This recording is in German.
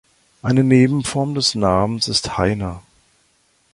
Eine Nebenform des Namens ist Hainer.